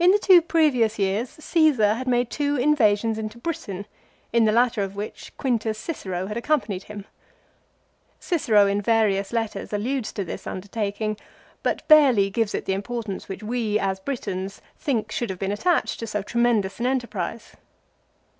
In the two previous years Caesar had made two invasions into Britain, in the latter of which Quintus Cicero had ac companied him. Cicero in various letters alludes to this undertaking, but barely gives it the importance which we, as Britons, think should have been attached to so tremendous an enterprise.